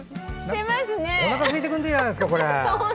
おなかすいてくるじゃないですか。